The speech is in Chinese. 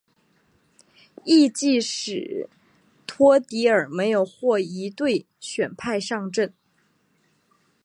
翌季史托迪尔没有获一队选派上阵。